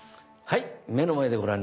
はい。